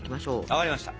分かりました。